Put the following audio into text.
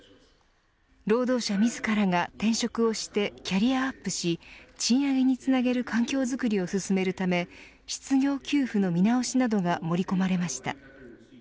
労働者自らが転職をしてキャリアアップし賃上げにつなげる環境づくりを進めるため失業給付の見直しなどが盛り込まれました。